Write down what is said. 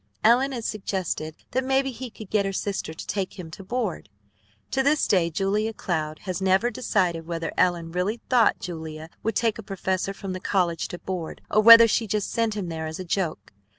Ellen had suggested that maybe he could get her sister to take him to board! To this day Julia Cloud has never decided whether Ellen really thought Julia would take a professor from the college to board, or whether she just sent him there as a joke.